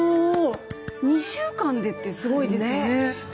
２週間でってすごいですよね。